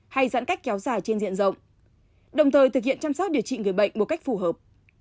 hay giãn cách kéo dài trên diện rộng đồng thời thực hiện chăm sóc điều trị người bệnh một cách phù hợp